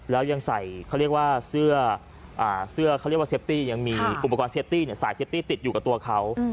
แล้วยังใส่เขาเรียกว่าเซียวเซฟตี้อุปกรณ์เซฟตี้ใส่เซฟตี้ติดอยู่กับตัวเขา